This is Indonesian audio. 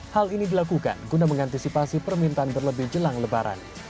hal ini dilakukan guna mengantisipasi permintaan berlebih jelang lebaran